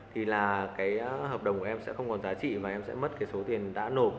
thì là cái hợp đồng của em sẽ không còn giá trị mà em sẽ mất cái số tiền đã nộp